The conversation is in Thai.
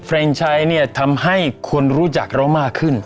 เฟรนชัยทำให้ควรรู้จักเรามากขึ้น